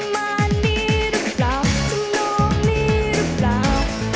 ประมาณนี้รึเปล่าชมน้องนี้รึเปล่า